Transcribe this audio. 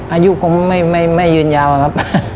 อายุก็ไม่ยืนยาวครับ